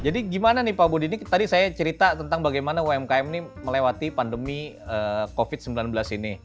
jadi gimana nih pak budi tadi saya cerita tentang bagaimana umkm melewati pandemi covid sembilan belas ini